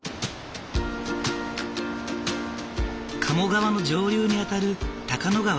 鴨川の上流にあたる高野川。